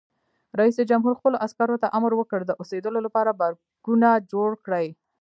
رئیس جمهور خپلو عسکرو ته امر وکړ؛ د اوسېدو لپاره بارکونه جوړ کړئ!